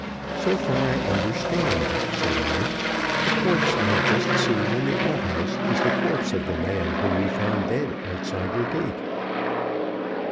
"So far I understand," said I. "The corpse I have just seen in the outhouse is the corpse of the man whom you found dead outside your gate.